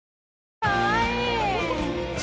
かわいい。